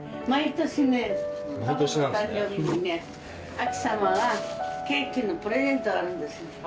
あきさまはケーキのプレゼントあるんです。